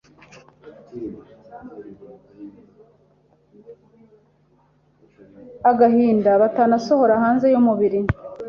agahinda batanasohora hanze y’umubiri.